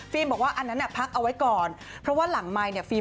บอกว่าอันนั้นน่ะพักเอาไว้ก่อนเพราะว่าหลังไมค์เนี่ยฟิล์